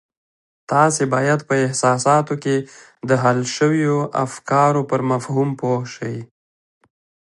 تاسې بايد په احساساتو کې د حل شويو افکارو پر مفهوم پوه شئ.